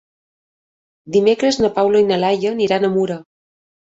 Dimecres na Paula i na Laia aniran a Mura.